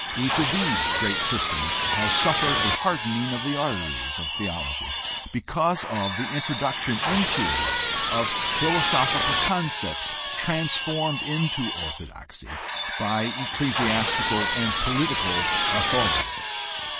Each of these great systems has suffered a hardening of the arteries of theology because of the introduction into it of philosophical concepts transformed into orthodoxy by ecclesiastical and political authority.